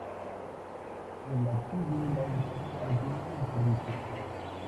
El "Achille Lauro" continuó en servicio.